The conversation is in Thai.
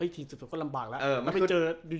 ทิ้งสุดก็ลำบากแล้ว